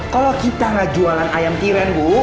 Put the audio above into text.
kalau kita gak jualan ayam tiran bu